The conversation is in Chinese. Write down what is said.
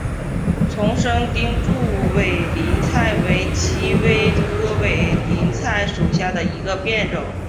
丛生钉柱委陵菜为蔷薇科委陵菜属下的一个变种。